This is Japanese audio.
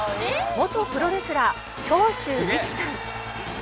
「元プロレスラー長州力さん」